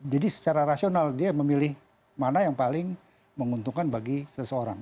jadi secara rasional dia memilih mana yang paling menguntungkan bagi seseorang